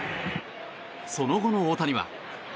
その後の大谷は。